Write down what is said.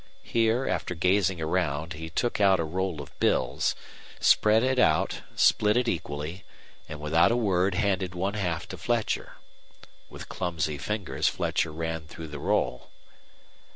Here after gazing around, he took out a roll of bills, spread it out, split it equally, and without a word handed one half to Fletcher. With clumsy fingers Fletcher ran through the roll.